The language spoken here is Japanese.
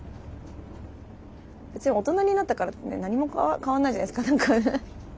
別に大人になったからってね何も変わんないじゃないですか。